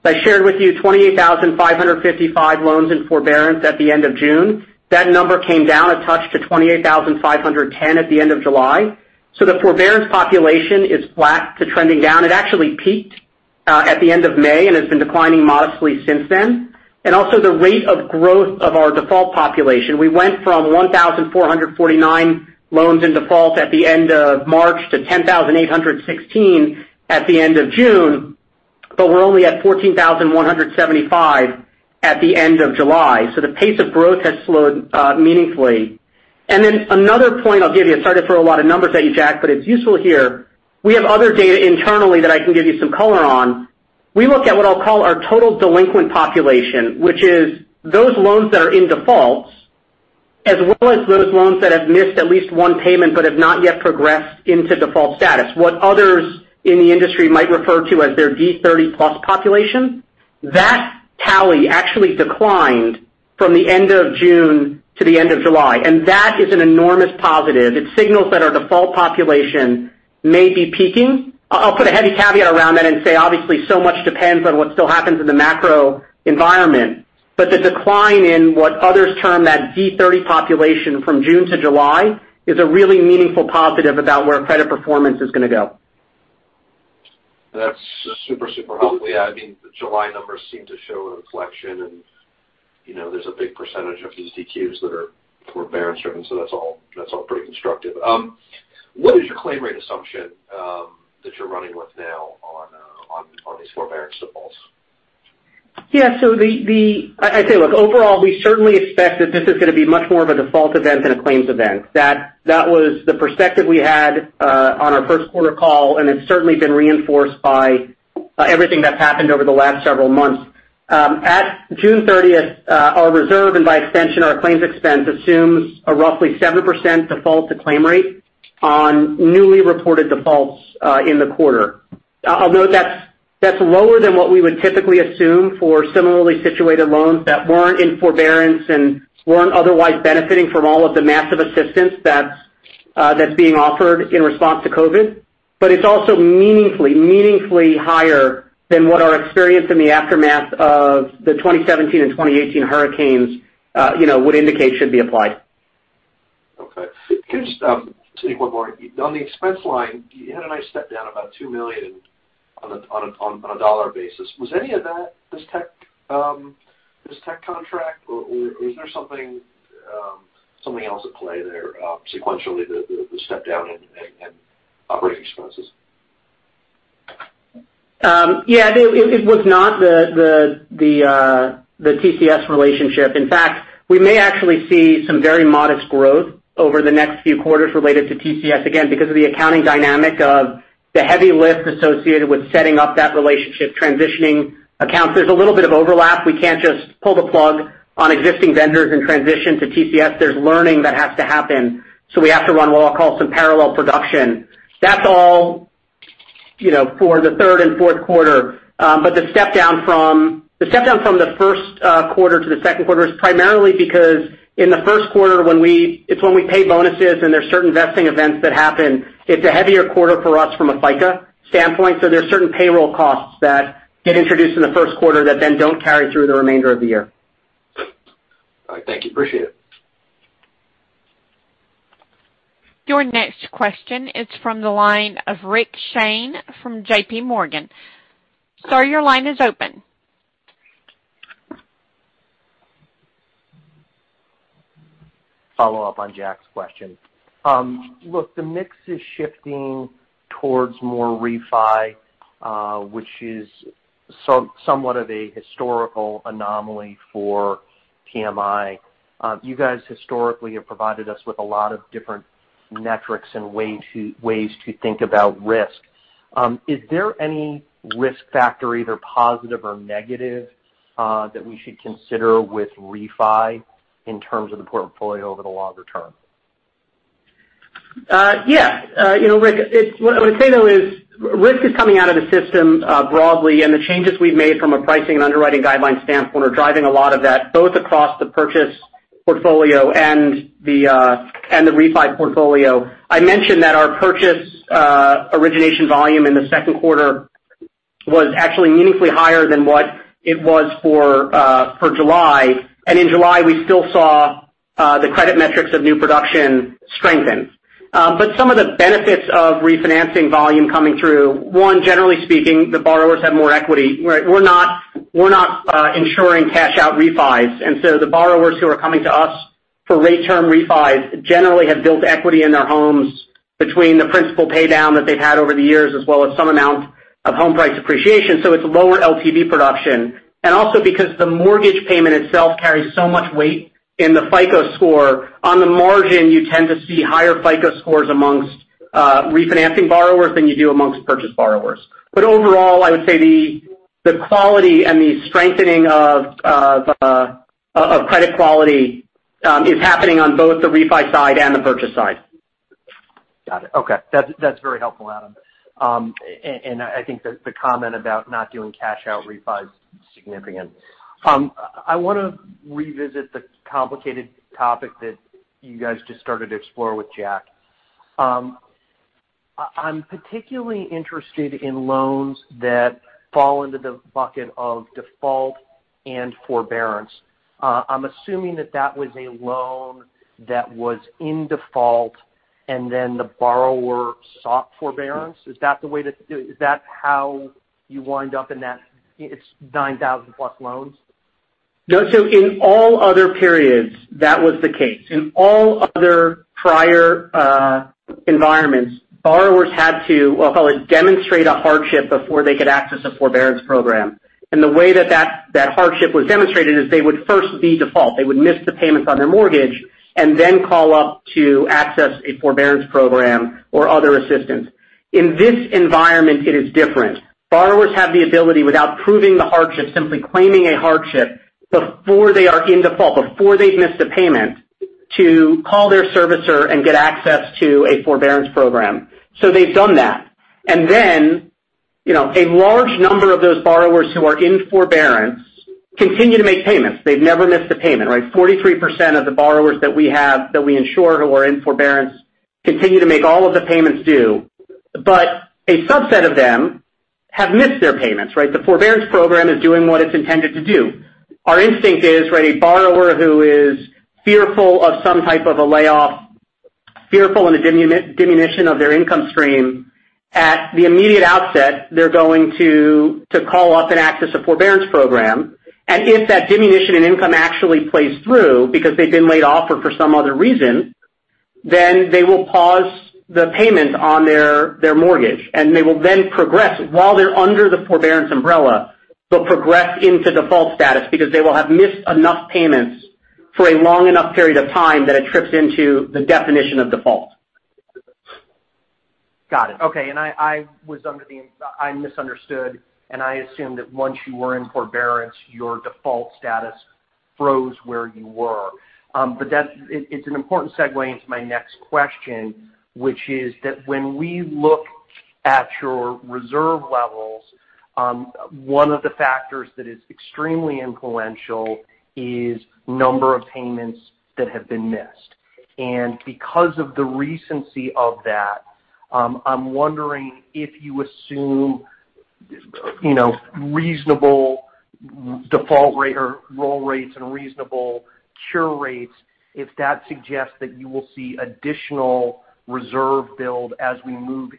as I shared with you, 28,555 loans in forbearance at the end of June. That number came down a touch to 28,510 at the end of July. The forbearance population is flat to trending down. It actually peaked at the end of May and has been declining modestly since then. Also the rate of growth of our default population. We went from 1,449 loans in default at the end of March to 10,816 at the end of June. We're only at 14,175 at the end of July. The pace of growth has slowed meaningfully. Then another point I'll give you, sorry to throw a lot of numbers at you, Jack, but it's useful here. We have other data internally that I can give you some color on. We look at what I'll call our total delinquent population, which is those loans that are in defaults, as well as those loans that have missed at least one payment, but have not yet progressed into default status. What others in the industry might refer to as their D30+ population. That tally actually declined from the end of June to the end of July, and that is an enormous positive. It signals that our default population may be peaking. I'll put a heavy caveat around that and say, obviously, so much depends on what still happens in the macro environment. The decline in what others term that D30 population from June to July is a really meaningful positive about where credit performance is going to go. That's super helpful. Yeah. The July numbers seem to show a reflection and there's a big percentage of these DQs that were forbearance driven. That's all pretty constructive. What is your claim rate assumption that you're running with now on these forbearance defaults? Yeah. I'd say, look, overall, we certainly expect that this is going to be much more of a default event than a claims event. That was the perspective we had on our first quarter call, and it's certainly been reinforced by everything that's happened over the last several months. At June 30th, our reserve, and by extension, our claims expense, assumes a roughly 7% default to claim rate on newly reported defaults in the quarter. I'll note that's lower than what we would typically assume for similarly situated loans that weren't in forbearance and weren't otherwise benefiting from all of the massive assistance that's being offered in response to COVID. It's also meaningfully higher than what our experience in the aftermath of the 2017 and 2018 hurricanes would indicate should be applied. Okay. Can you just speak one more? On the expense line, you had a nice step down, about $2 million on a dollar basis. Was any of that this tech contract, or was there something else at play there sequentially, the step down in operating expenses? Yeah, it was not the TCS relationship. We may actually see some very modest growth over the next few quarters related to TCS, again, because of the accounting dynamic of the heavy lift associated with setting up that relationship, transitioning accounts. There's a little bit of overlap. We can't just pull the plug on existing vendors and transition to TCS. There's learning that has to happen. We have to run what I'll call some parallel production. That's all for the third and fourth quarter. The step down from the first quarter to the second quarter is primarily because in the first quarter, it's when we pay bonuses and there's certain vesting events that happen. It's a heavier quarter for us from a FICA standpoint. There's certain payroll costs that get introduced in the first quarter that then don't carry through the remainder of the year. All right. Thank you. Appreciate it. Your next question is from the line of Rick Shane from JPMorgan. Sir, your line is open. Follow up on Jack's question. Look, the mix is shifting towards more refi, which is somewhat of a historical anomaly for PMI. You guys historically have provided us with a lot of different metrics and ways to think about risk. Is there any risk factor, either positive or negative, that we should consider with refi in terms of the portfolio over the longer term? Yeah. Rick, what I would say, though, is risk is coming out of the system broadly, and the changes we've made from a pricing and underwriting guideline standpoint are driving a lot of that, both across the purchase portfolio and the refi portfolio. I mentioned that our purchase origination volume in the second quarter was actually meaningfully higher than what it was for July. In July, we still saw the credit metrics of new production strengthen. Some of the benefits of refinancing volume coming through, one, generally speaking, the borrowers have more equity. We're not insuring cash out refis. The borrowers who are coming to us for rate term refis generally have built equity in their homes between the principal pay down that they've had over the years, as well as some amount of home price appreciation. It's lower LTV production. Also because the mortgage payment itself carries so much weight in the FICO score, on the margin, you tend to see higher FICO scores amongst refinancing borrowers than you do amongst purchase borrowers. Overall, I would say the quality and the strengthening of credit quality is happening on both the refi side and the purchase side. Got it. Okay. That's very helpful, Adam. I think the comment about not doing cash out refis is significant. I want to revisit the complicated topic that you guys just started to explore with Jack. I'm particularly interested in loans that fall into the bucket of default and forbearance. I'm assuming that was a loan that was in default and then the borrower sought forbearance. Is that how you wind up in that 9,000+ loans? No. In all other periods, that was the case. In all other prior environments, borrowers had to, I'll call it, demonstrate a hardship before they could access a forbearance program. The way that hardship was demonstrated is they would first be default. They would miss the payments on their mortgage and then call up to access a forbearance program or other assistance. In this environment, it is different. Borrowers have the ability, without proving the hardship, simply claiming a hardship before they are in default, before they've missed a payment, to call their servicer and get access to a forbearance program. They've done that. A large number of those borrowers who are in forbearance continue to make payments. They've never missed a payment, right? 43% of the borrowers that we have, that we insure, who are in forbearance, continue to make all of the payments due. A subset of them have missed their payments, right? The forbearance program is doing what it's intended to do. Our instinct is, a borrower who is fearful of some type of a layoff, fearful in a diminution of their income stream, at the immediate outset, they're going to call up and access a forbearance program. If that diminution in income actually plays through because they've been laid off or for some other reason, then they will pause the payment on their mortgage, and they will then progress. While they're under the forbearance umbrella, they'll progress into default status because they will have missed enough payments for a long enough period of time that it trips into the definition of default. Got it. Okay. I misunderstood, and I assumed that once you were in forbearance, your default status froze where you were. It's an important segue into my next question, which is that when we look at your reserve levels, one of the factors that is extremely influential is number of payments that have been missed. Because of the recency of that, I'm wondering if you assume reasonable default rate or roll rates and reasonable cure rates, if that suggests that you will see additional reserve build as we move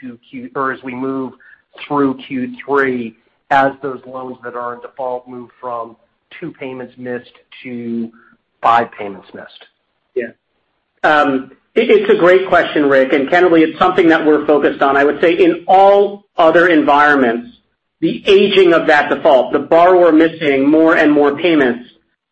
through Q3 as those loans that are in default move from two payments missed to five payments missed. Yeah. It's a great question, Rick. Candidly, it's something that we're focused on. I would say in all other environments, the aging of that default, the borrower missing more and more payments,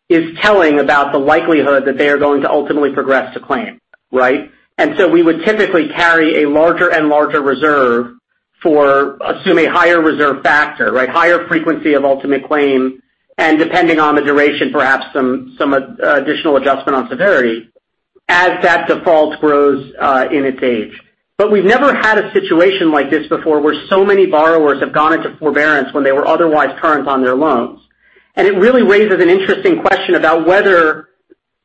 is telling about the likelihood that they are going to ultimately progress to claim, right? We would typically carry a larger and larger reserve for, assume, a higher reserve factor, right? Higher frequency of ultimate claim. Depending on the duration, perhaps some additional adjustment on severity as that default grows in its age. We've never had a situation like this before where so many borrowers have gone into forbearance when they were otherwise current on their loans. It really raises an interesting question about whether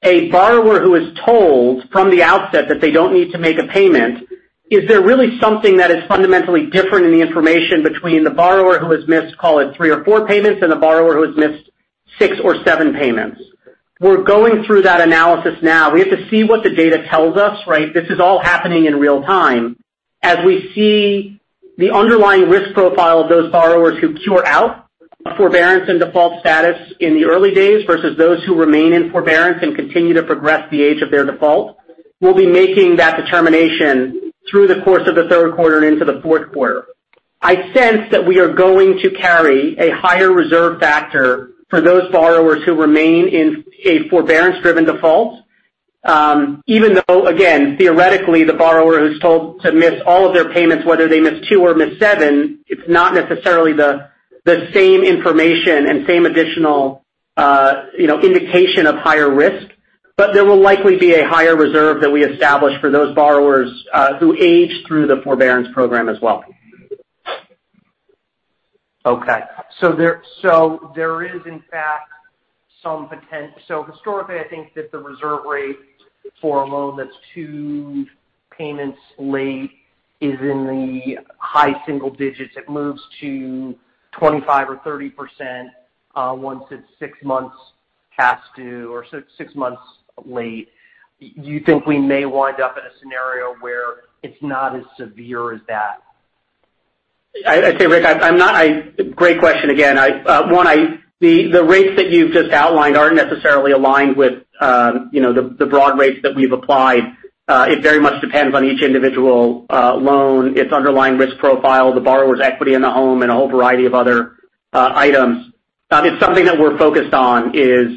a borrower who is told from the outset that they don't need to make a payment, is there really something that is fundamentally different in the information between the borrower who has missed, call it three or four payments, and the borrower who has missed six or seven payments? We're going through that analysis now. We have to see what the data tells us, right? This is all happening in real time. As we see the underlying risk profile of those borrowers who cure out of forbearance and default status in the early days versus those who remain in forbearance and continue to progress the age of their default, we'll be making that determination through the course of the third quarter and into the fourth quarter. I sense that we are going to carry a higher reserve factor for those borrowers who remain in a forbearance-driven default, even though, again, theoretically, the borrower who's told to miss all of their payments, whether they miss two or miss seven, it's not necessarily the same information and same additional indication of higher risk. There will likely be a higher reserve that we establish for those borrowers who age through the forbearance program as well. Okay. Historically, I think that the reserve rate for a loan that's two payments late is in the high single digits. It moves to 25% or 30% once it's six months past due or six months late. You think we may wind up in a scenario where it's not as severe as that? I'd say, Rick, great question again. One, the rates that you've just outlined aren't necessarily aligned with the broad rates that we've applied. It very much depends on each individual loan, its underlying risk profile, the borrower's equity in the home, and a whole variety of other items. It's something that we're focused on is,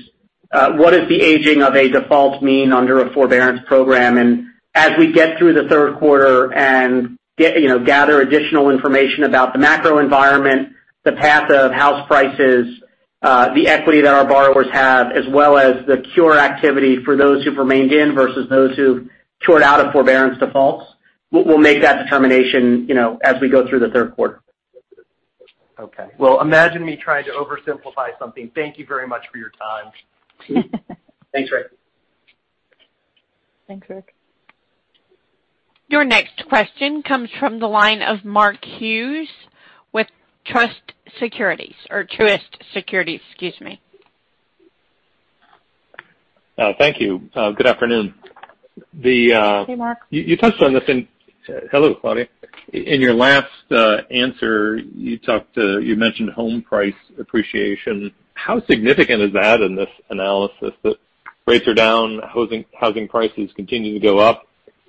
what does the aging of a default mean under a forbearance program? As we get through the third quarter and gather additional information about the macro environment, the path of house prices, the equity that our borrowers have, as well as the cure activity for those who've remained in versus those who've cured out of forbearance defaults, we'll make that determination as we go through the third quarter. Okay. Imagine me trying to oversimplify something. Thank you very much for your time. Thanks, Rick. Thanks, Rick. Your next question comes from the line of Mark Hughes with Truist Securities, excuse me. Thank you. Good afternoon. Hey, Mark. You touched on this. Hello, Claudia. In your last answer, you mentioned home price appreciation. How significant is that in this analysis, that rates are down, housing prices continue to go up?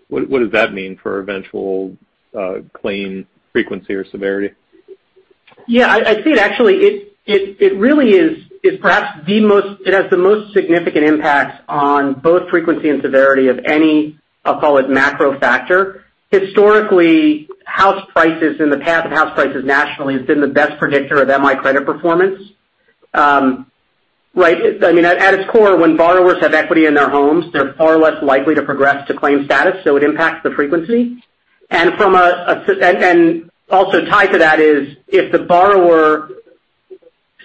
What does that mean for eventual claim frequency or severity? Yeah, I'd say that actually, it has the most significant impact on both frequency and severity of any, I'll call it macro factor. Historically, the path of house prices nationally has been the best predictor of MI credit performance. At its core, when borrowers have equity in their homes, they're far less likely to progress to claim status, so it impacts the frequency. Also tied to that is, if the borrower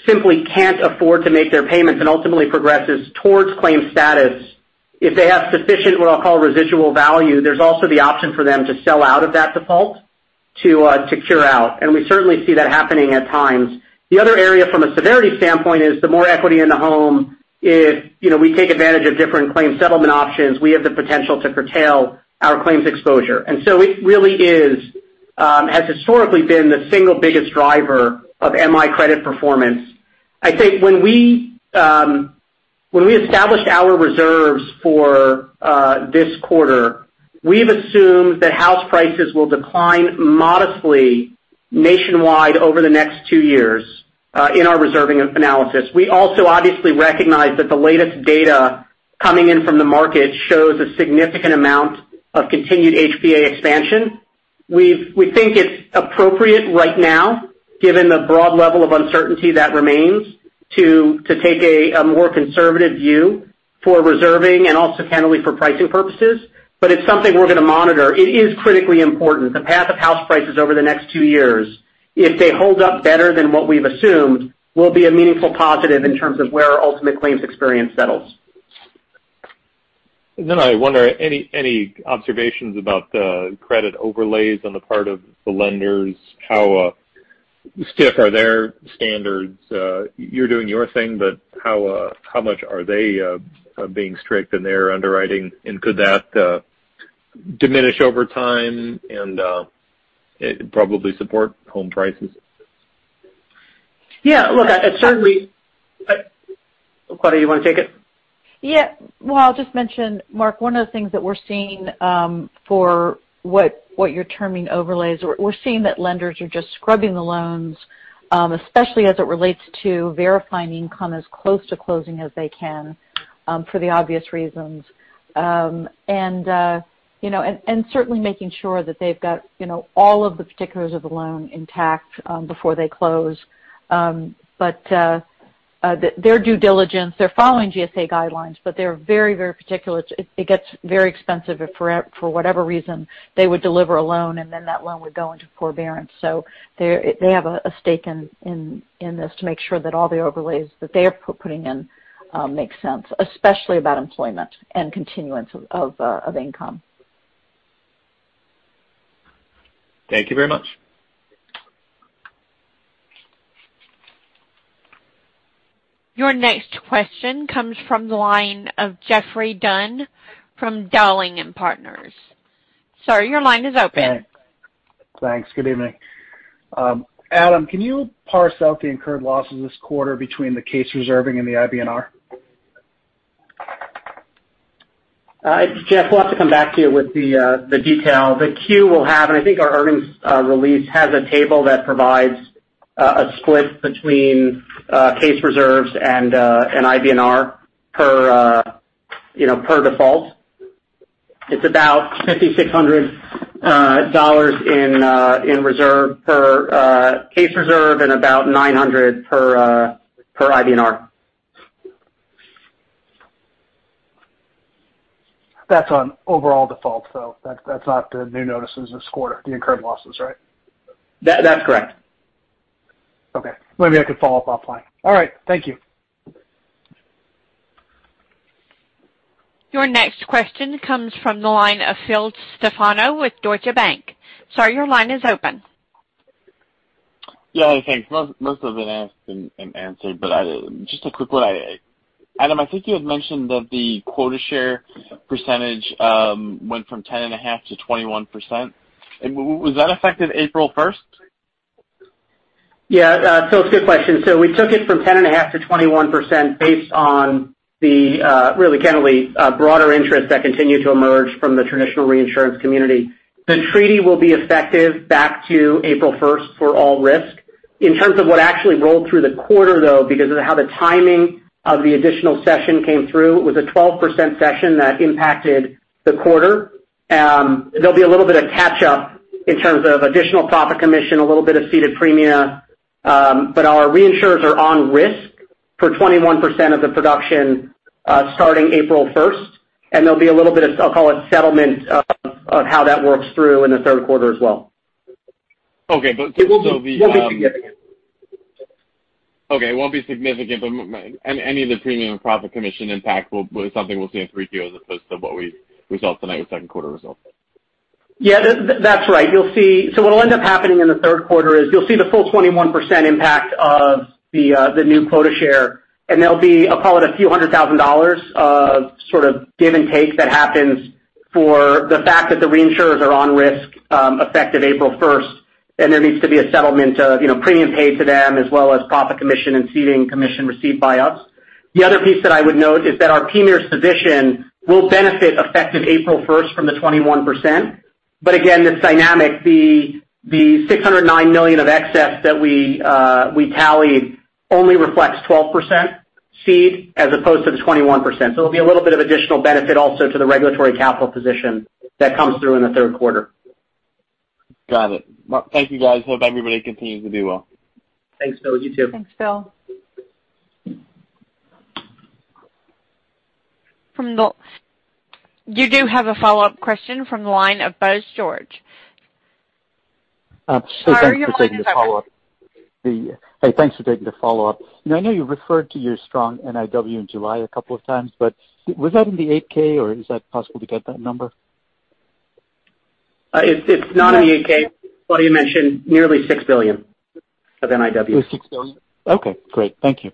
simply can't afford to make their payments and ultimately progresses towards claim status, if they have sufficient, what I'll call residual value, there's also the option for them to sell out of that default to cure out. We certainly see that happening at times. The other area from a severity standpoint is the more equity in the home, if we take advantage of different claim settlement options, we have the potential to curtail our claims exposure. It really has historically been the single biggest driver of MI credit performance. I think when we established our reserves for this quarter, we've assumed that house prices will decline modestly nationwide over the next two years in our reserving analysis. We also obviously recognize that the latest data coming in from the market shows a significant amount of continued HPA expansion. We think it's appropriate right now, given the broad level of uncertainty that remains, to take a more conservative view for reserving and also candidly for pricing purposes. It's something we're going to monitor. It is critically important, the path of house prices over the next two years, if they hold up better than what we've assumed, will be a meaningful positive in terms of where our ultimate claims experience settles. I wonder, any observations about the credit overlays on the part of the lenders? How stiff are their standards? You're doing your thing, but how much are they being strict in their underwriting, and could that diminish over time and probably support home prices? Yeah. Look, Claudia, you want to take it? Yeah. Well, I'll just mention, Mark, one of the things that we're seeing for what you're terming overlays, we're seeing that lenders are just scrubbing the loans, especially as it relates to verifying the income as close to closing as they can, for the obvious reasons. Certainly making sure that they've got all of the particulars of the loan intact before they close. Their due diligence, they're following GSE guidelines, but they're very particular. It gets very expensive if for whatever reason they would deliver a loan and then that loan would go into forbearance. They have a stake in this to make sure that all the overlays that they're putting in make sense, especially about employment and continuance of income. Thank you very much. Your next question comes from the line of Geoffrey Dunn from Dowling & Partners. Sir, your line is open. Thanks. Good evening. Adam, can you parse out the incurred losses this quarter between the case reserving and the IBNR? Geoff, we'll have to come back to you with the details. The queue we'll have, and I think our earnings release has a table that provides a split between case reserves and IBNR per default. It's about $5,600 in reserve per case reserve and about $900 per IBNR. That's on overall defaults, though. That's not the new notices this quarter, the incurred losses, right? That's correct. Okay. Maybe I could follow up offline. All right, thank you. Your next question comes from the line of Phil Stefano with Deutsche Bank. Sir, your line is open. Yeah. Thanks. Most have been asked and answered, but just a quick one. Adam, I think you had mentioned that the quota share percentage went from 10.5%-21%. Was that effective April 1st? Yeah. Phil, it's a good question. We took it from 10.5%-21% based on the, really candidly, broader interest that continued to emerge from the traditional reinsurance community. The treaty will be effective back to April 1st for all risk. In terms of what actually rolled through the quarter, though, because of how the timing of the additional session came through, it was a 12% session that impacted the quarter. There'll be a little bit of catch up in terms of additional profit commission, a little bit of ceded premium. Our reinsurers are on risk for 21% of the production starting April 1st, and there'll be a little bit of, I'll call it settlement of how that works through in the third quarter as well. Okay. It won't be significant. It won't be significant, but any of the premium and profit commission impact will be something we'll see in 3Q as opposed to what we saw tonight with second quarter results. Yeah, that's right. What'll end up happening in the third quarter is you'll see the full 21% impact of the new quota share, and there'll be, I call it a few hundred thousand dollars of sort of give and take that happens for the fact that the reinsurers are on risk effective April 1st, and there needs to be a settlement of premium paid to them as well as profit commission and ceding commission received by us. The other piece that I would note is that our PMIERs position will benefit effective April 1st from the 21%. Again, this dynamic, the $609 million of excess that we tallied only reflects 12% cede as opposed to the 21%. There'll be a little bit of additional benefit also to the regulatory capital position that comes through in the third quarter. Got it. Well, thank you, guys. Hope everybody continues to do well. Thanks, Phil. You too. Thanks, Phil. You do have a follow-up question from the line of Bose George. Sorry for the follow-up. Hey, thanks for taking the follow-up. I know you referred to your strong NIW in July a couple of times, but was that in the 8-K or is that possible to get that number? It's not in the 8-K. Claudia mentioned nearly $6 billion of NIW. $6 billion. Okay, great. Thank you.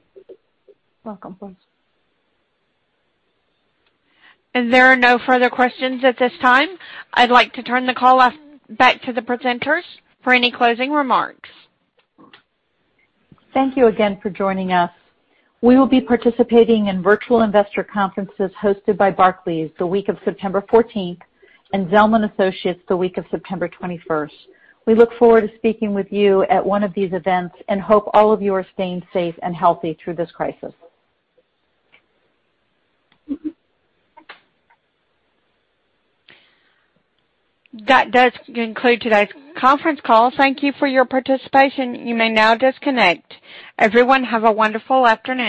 Welcome, Bose. There are no further questions at this time. I'd like to turn the call back to the presenters for any closing remarks. Thank you again for joining us. We will be participating in virtual investor conferences hosted by Barclays the week of September 14th and Zelman Associates the week of September 21st. We look forward to speaking with you at one of these events and hope all of you are staying safe and healthy through this crisis. That does conclude today's conference call. Thank you for your participation. You may now disconnect. Everyone, have a wonderful afternoon.